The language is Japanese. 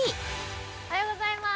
◆おはようございます。